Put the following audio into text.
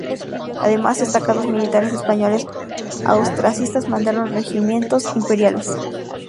Además destacados militares españoles austracistas mandaron regimientos imperiales.